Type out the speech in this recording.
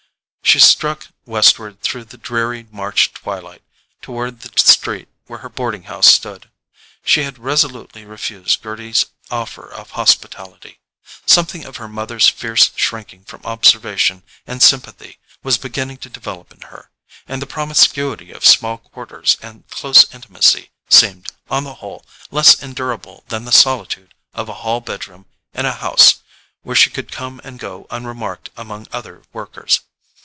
She struck westward through the dreary March twilight, toward the street where her boarding house stood. She had resolutely refused Gerty's offer of hospitality. Something of her mother's fierce shrinking from observation and sympathy was beginning to develop in her, and the promiscuity of small quarters and close intimacy seemed, on the whole, less endurable than the solitude of a hall bedroom in a house where she could come and go unremarked among other workers.